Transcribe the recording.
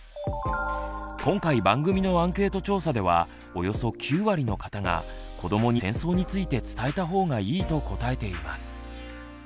今回番組のアンケート調査ではおよそ９割の方が子どもに戦争について「伝えた方がいい」と答えています。